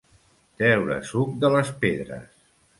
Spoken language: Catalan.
Treure suc de les pedres.